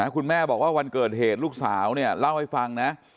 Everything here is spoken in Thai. คุณแม่บอกว่าวันเกิดเหตุลูกสาวเนี่ยเล่าให้ฟังนะ